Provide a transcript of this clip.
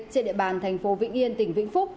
trên địa bàn thành phố vĩnh yên tỉnh vĩnh phúc